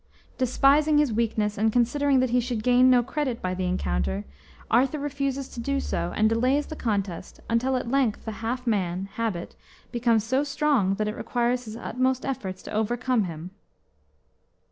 Despising his weakness, and considering that he should gain no credit by the encounter, Arthur refuses to do so, and delays the contest until at length the half man (Habit) becomes so strong that it requires his utmost efforts to overcome him.